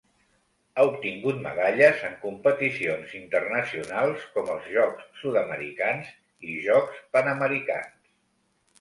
Ha obtingut medalles en competicions internacionals com els Jocs Sud-americans i Jocs Panamericans.